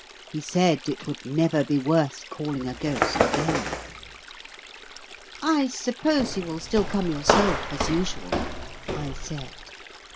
He said it would never be worth calling a ghost again. "I suppose you will still come yourself, as usual?" I said.